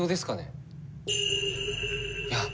いや